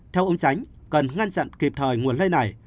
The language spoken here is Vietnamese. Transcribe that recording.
theo ông chánh cần ngăn chặn kịp thời nguồn lây này